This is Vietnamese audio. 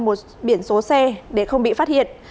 một biển số xe để không bị phát hiện